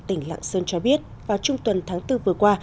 tỉnh lạng sơn cho biết vào trung tuần tháng bốn vừa qua